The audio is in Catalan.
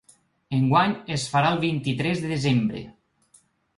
Enguany es farà el vint-i-tres de desembre.